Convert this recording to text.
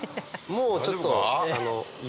もうちょっと。